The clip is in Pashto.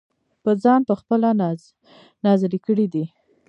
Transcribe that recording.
پۀ ځان پۀ خپله نازلې کړي دي -